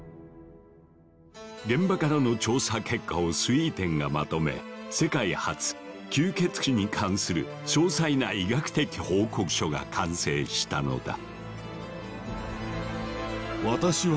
現場からの調査結果をスウィーテンがまとめ世界初吸血鬼に関する詳細な医学的報告書が完成したのだ。